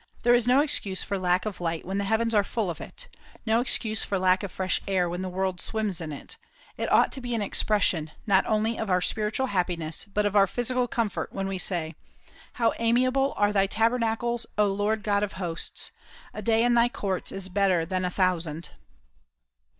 There is no excuse for lack of light when the heavens are full of it, no excuse for lack of fresh air when the world swims in it. It ought to be an expression, not only of our spiritual happiness, but of our physical comfort, when we say: "How amiable are Thy tabernacles, O Lord God of Hosts! A day in Thy courts is better than a thousand."